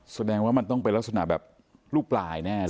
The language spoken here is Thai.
แสดงว่ามันต้องเป็นลักษณะแบบลูกปลายแน่